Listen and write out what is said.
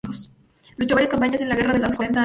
Luchó varias campañas en la Guerra de los Cuarenta Años.